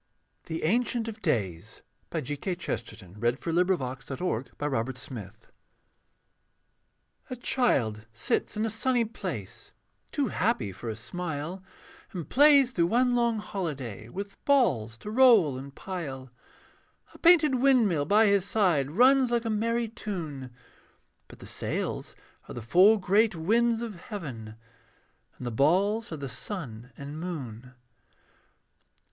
d heaven be dark with vultures, The night our son comes home. THE ANCIENT OF DAYS A child sits in a sunny place, Too happy for a smile, And plays through one long holiday With balls to roll and pile; A painted wind mill by his side Runs like a merry tune, But the sails are the four great winds of heaven, And the balls are the sun and moon.